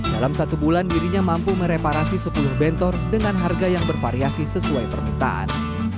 dalam satu bulan dirinya mampu mereparasi sepuluh bentor dengan harga yang bervariasi sesuai permintaan